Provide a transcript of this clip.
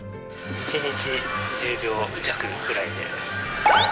１日１０秒弱ぐらいで。